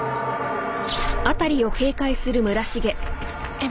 えっ？